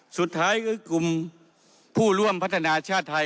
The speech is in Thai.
สุดท้ายคือกลุ่มผู้ร่วมพัฒนาชาติไทย